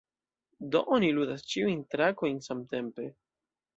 Do oni ludas ĉiujn trakojn samtempe.